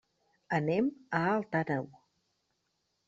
Anem a Alt Àneu.